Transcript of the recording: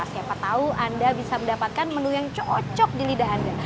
siapa tahu anda bisa mendapatkan menu yang cocok di lidah anda